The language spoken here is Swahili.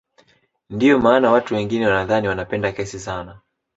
Ndiyo maana watu wengine wanadhani wanapenda kesi sana